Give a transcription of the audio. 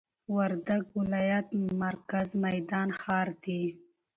وردګ ولايت مرکز میدان ښار دي